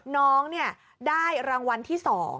น้องได้รางวัลที่๒